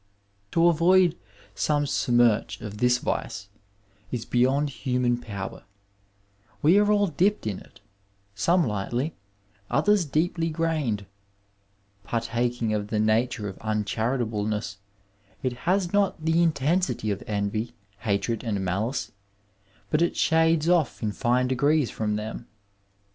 To avoid some smirch of this vice is beyond human power ; we are all dipped in it, some lightly, others deeply grained. Par taking of the nature of uncharitableaess, it has not the 284 Digitized by VjOOQIC CHAUVINISM IN MEDICINE intensity of envy, hatred and malice, but it sbades off in fine degrees from them.